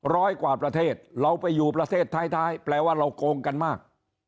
ร้อยกว่าประเทศเราไปอยู่ประเทศท้ายแปลว่าเราโกงกันมาก